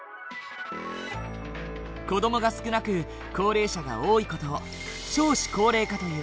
子どもが少なく高齢者が多い事を少子高齢化という。